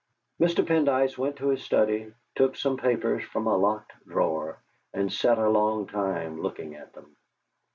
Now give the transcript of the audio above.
Mr. Pendyce went to his study, took some papers from a locked drawer, and sat a long time looking at them.